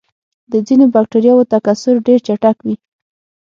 د ځینو بکټریاوو تکثر ډېر چټک وي.